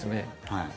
はい。